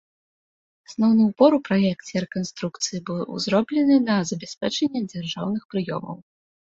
Асноўны ўпор у праекце рэканструкцыі быў зроблены на забеспячэнне дзяржаўных прыёмаў.